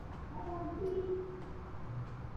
ډېر هوښیار کار وکړ.